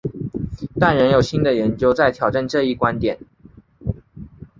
但仍有新的研究在挑战这一观点。